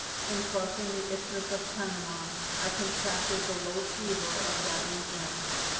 In crossing the Isthmus of Panama I contracted the low fever of that region.